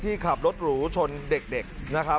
ที่ขับรถหรูชนเด็กนะครับ